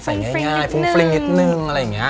ใส่ง่ายฟุ้งฟริ้งนิดหนึ่ง